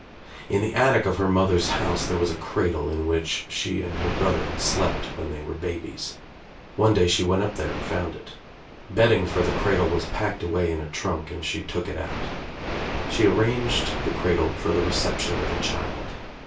In the attic of her mother's house there was a cradle in which she and her brother had slept when they were babies. One day she went up there and found it. Bedding for the cradle was packed away in a trunk and she took it out. She arranged the cradle for the reception of a child.